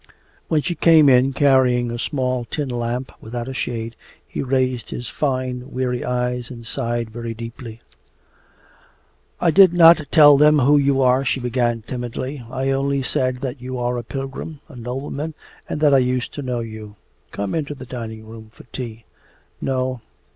When she came in, carrying a small tin lamp without a shade, he raised his fine weary eyes and sighed very deeply. 'I did not tell them who you are,' she began timidly. 'I only said that you are a pilgrim, a nobleman, and that I used to know you. Come into the dining room for tea.' 'No...